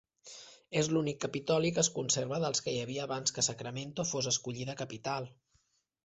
És l'únic capitoli que es conserva dels que hi havia abans que Sacramento fos escollida capital.